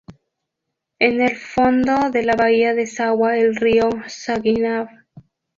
En el fondo de la bahía desagua el río Saginaw.